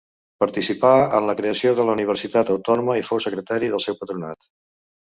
Participà en la creació de la Universitat Autònoma i fou secretari del seu Patronat.